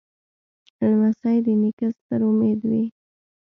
لمسی د نیکه ستر امید وي.